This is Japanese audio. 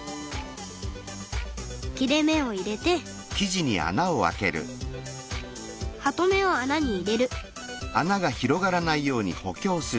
切れ目を入れてハトメを穴に入れる。